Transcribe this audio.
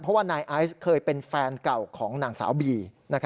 เพราะว่านายไอซ์เคยเป็นแฟนเก่าของนางสาวบี